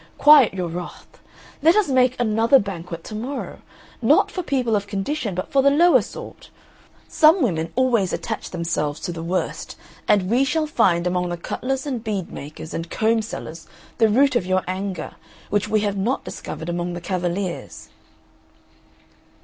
quiet your wrath. Let us make another banquet to morrow, not for people of condition but for the lower sort. Some women always attach themselves to the worst, and we shall find among the cutlers, and bead makers, and comb sellers, the root of your anger, which we have not discovered among the cavaliers."